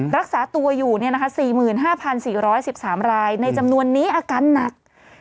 รักษาตัวอยู่๔๕๔๑๓รายในจำนวนนี้อาการหนัก